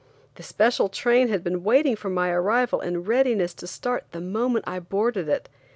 The special train had been waiting for my arrival in readiness to start the moment I boarded it.